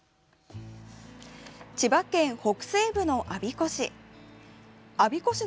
千葉県北西部の我孫子市。